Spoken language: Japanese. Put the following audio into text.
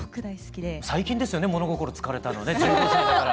最近ですよね物心つかれたのね１５歳だから。